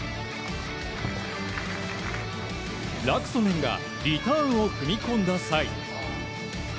ラクソネンがリターンを踏み込んだ際。